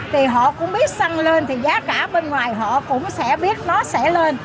thì họ cũng biết xăng lên thì giá cả bên ngoài họ cũng sẽ biết nó sẽ lên